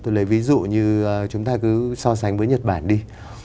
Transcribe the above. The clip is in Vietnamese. tôi lấy ví dụ như chúng ta cứ so sánh với nhật bản đi